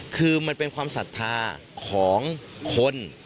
คือมันเป็นความศรัทธาของคน